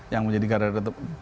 yang menjadi gadah terdepan